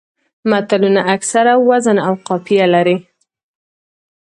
متلونه اکثره وزن او قافیه لري